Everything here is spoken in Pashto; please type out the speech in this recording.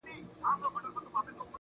o چي ياد پاته وي، ياد د نازولي زمانې.